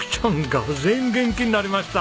がぜん元気になりました。